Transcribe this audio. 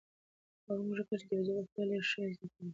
هغه موږکان چې د بیزو بکتریاوې لري، ښې زده کړې وکړې.